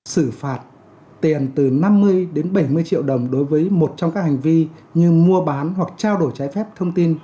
xử phạt tiền từ năm mươi đến bảy mươi triệu đồng đối với một trong các hành vi như mua bán hoặc trao đổi trái phép thông tin